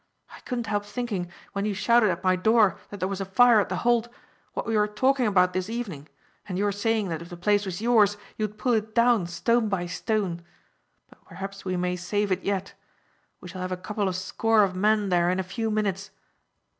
I couldn't help thinking, when you shouted at my door that there was a fire at The Hold, what we were talking about this evening, and your saying that if the place was yours you would pull it down stone by stone. But perhaps we may save it yet. We shall have a couple of score of men there in a few minutes."